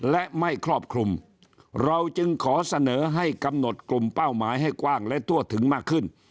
และไม่ครอบคลุมเราจึงขอเสนอให้กำหนดกลุ่มเป้าหมายให้กว้างและทั่วถึงมากขึ้น